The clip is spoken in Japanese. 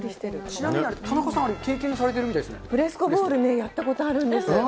ちなみに田中さん、経験されフレスコボール、やったことあるんです。